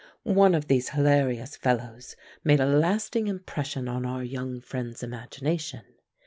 One of these hilarious fellows made a lasting impression on our young friend's imagination.